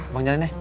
bawa jalan ya